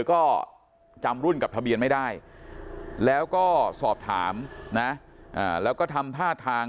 ก็จำรุ่นกับทะเบียนไม่ได้แล้วก็สอบถามนะแล้วก็ทำท่าทาง